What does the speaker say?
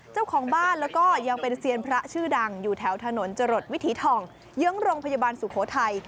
เจ้าของบ้านแล้วก็ยังเป็นเซียนพระชื่อดังอยู่แถวถนนจรดวิถีทองเยื้องโรงพยาบาลสุโขทัย